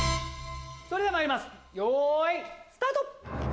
それではまいりますよいスタート！